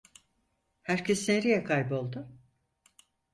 Herkes nereye kayboldu?